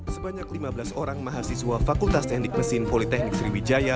sebanyak lima belas orang mahasiswa fakultas teknik mesin politeknik sriwijaya